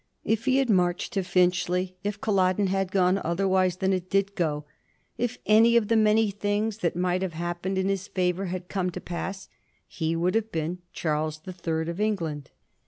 If he had marched to Finchley, if CuUoden had gone otherwise than it did go, if any of the many things that might have happened in his favor ha<1 come to pass, he would have been Charles the Third of England.